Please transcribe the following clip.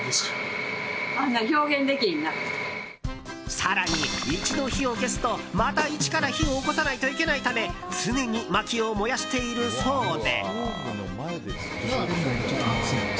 更に、一度火を消すとまた一から火を起こさないといけないため常にまきを燃やしているそうで。